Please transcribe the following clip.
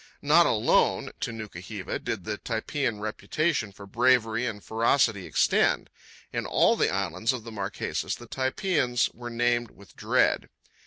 Not alone to Nuku hiva did the Typean reputation for bravery and ferocity extend. In all the islands of the Marquesas the Typeans were named with dread.